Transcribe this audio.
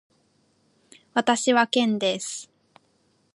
私はケンです。